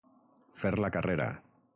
Fer la carrera.